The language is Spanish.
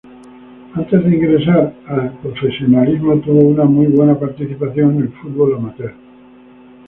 Antes de ingresar al profesionalismo tuvo una muy buena participación en el fútbol amateur.